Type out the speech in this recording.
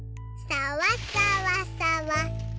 さわさわさわ。